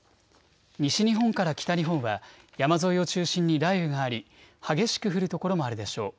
西日本から北日本は山沿いを中心に雷雨があり激しく降る所もあるでしょう。